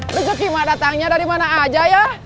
rezeki mah datangnya dari mana aja ya